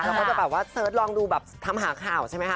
ก็จะแบบว่าเสิร์ชลองดูแบบทำหาข่าวใช่ไหมคะ